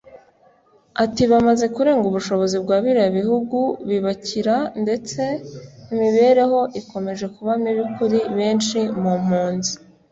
Ati “Bamaze kurenga ubushobozi bwa biriya bihugu bibakira ndetse imibereho ikomeje kuba mibi kuri benshi mu mpunzi